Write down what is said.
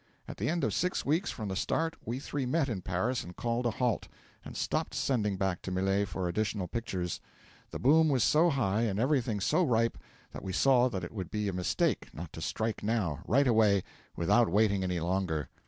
'At the end of six weeks from the start, we three met in Paris and called a halt, and stopped sending back to Millet for additional pictures. The boom was so high, and everything so ripe, that we saw that it would be a mistake not to strike now, right away, without waiting any longer.